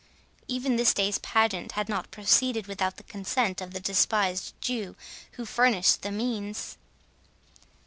Even this day's pageant had not proceeded without the consent of the despised Jew, who furnished the means."